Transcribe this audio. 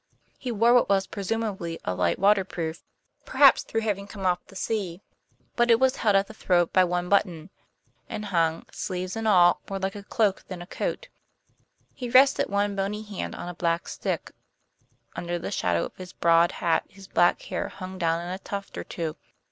He wore what was presumably a light waterproof, perhaps through having come off the sea; but it was held at the throat by one button, and hung, sleeves and all, more like a cloak than a coat. He rested one bony hand on a black stick; under the shadow of his broad hat his black hair hung down in a tuft or two.